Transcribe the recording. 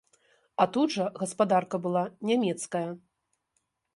А тут жа гаспадарка была нямецкая!